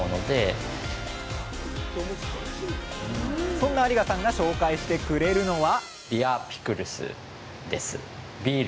そんな有賀さんが紹介してくれるのは？